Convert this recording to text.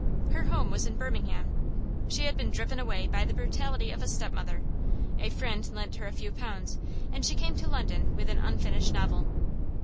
Her home was in Birmingham; she had been driven away by the brutality of a stepmother; a friend lent her a few pounds, and she came to London with an unfinished novel.